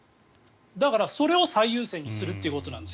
だから、それを最優先にするということです。